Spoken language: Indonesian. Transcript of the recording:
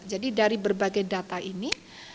jadi dari berbagai data ini